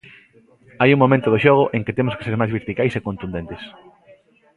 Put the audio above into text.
Hai un momento do xogo en que temos que ser máis verticais e contundentes.